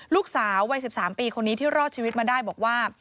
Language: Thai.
ลูกสาววัย๑๓ปีคนนี้ที่รอดชีวิตมาได้บอกว่า